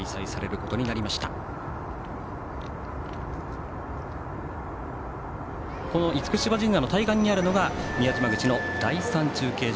この嚴島神社の対岸にあるのが宮島口の第３中継所。